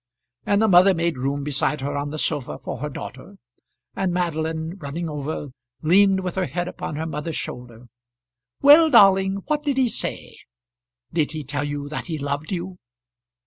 And the mother made room beside her on the sofa for her daughter, and Madeline, running over, leaned with her head upon her mother's shoulder. "Well, darling; what did he say? Did he tell you that he loved you?"